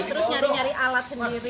terus nyari nyari alat sendiri